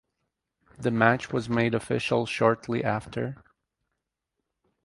The match was made official shortly after.